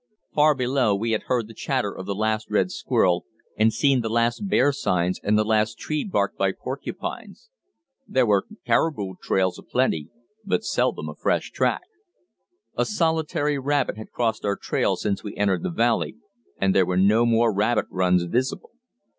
Far below we had heard the chatter of the last red squirrel, and seen the last bear signs and the last tree barked by porcupines. There were caribou trails a plenty, but seldom a fresh track. A solitary rabbit had crossed our trail since we entered the valley, and there were no more rabbit runs visible.